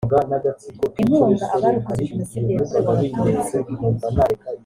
inkunga abarokotse jenoside yakorewe abatutsi